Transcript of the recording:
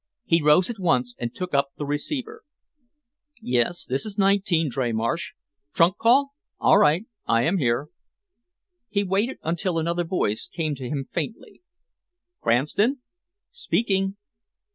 He rose at once and took up the receiver. "Yes, this is 19, Dreymarsh. Trunk call? All right, I am here." He waited until another voice came to him faintly. "Cranston?" "Speaking."